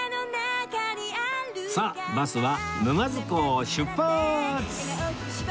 さあバスは沼津港を出発！